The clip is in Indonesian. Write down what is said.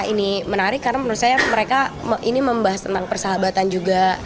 ini menarik karena menurut saya mereka ini membahas tentang persahabatan juga